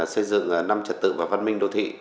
xây dựng năm trật tự và văn minh đô thị